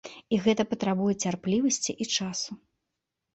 І гэта патрабуе цярплівасці і часу.